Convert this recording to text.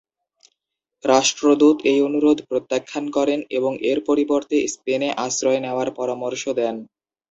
রাষ্ট্রদূত এই অনুরোধ প্রত্যাখ্যান করেন এবং এর পরিবর্তে স্পেনে আশ্রয় নেওয়ার পরামর্শ দেন।